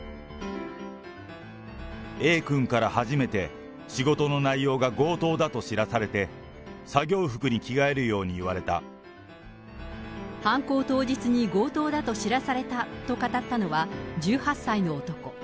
Ａ君から初めて仕事の内容が強盗だと知らされて、犯行当日に強盗だと知らされたと語ったのは、１８歳の男。